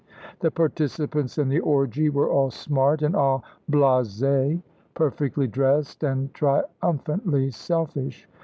The participants in the orgie were all smart and all blasés, perfectly dressed and triumphantly selfish.